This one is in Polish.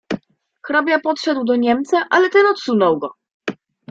"Hrabia podszedł do niemca, ale ten odsunął go."